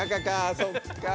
そっか。